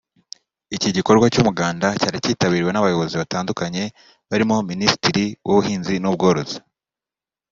Iki gikorwa cy’umuganda cyari kitabiriwe n’abayobozi batandukanye barimo Minisitiri w’Ubuhinzi n’Ubworozi